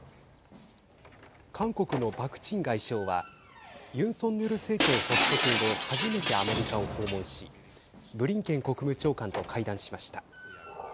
韓国のパク・チン外相はユン・ソンニョル政権発足後初めてアメリカを訪問しブリンケン国務長官と会談しました。